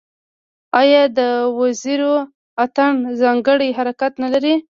آیا د وزیرو اتن ځانګړی حرکت نلري؟